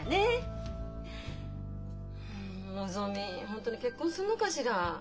本当に結婚するのかしら？